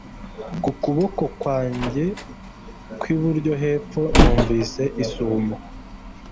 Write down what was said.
Ku kuboko kwanjye kw'iburyo hepfo numvise isumo